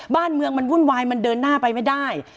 บ้านเมืองมันวุ่นวายมันเดินหน้าไปไม่ได้